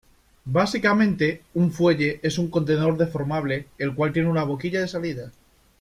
Básicamente, un fuelle es un contenedor deformable el cual tiene una boquilla de salida.